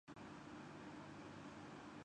وہ اپنی مثال آپ ہے۔